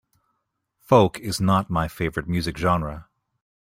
Folk is not my favorite music genre.